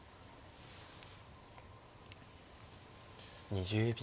２０秒。